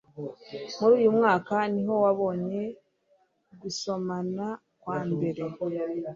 Muri uyu mwaka niho wabonye gusomana kwambere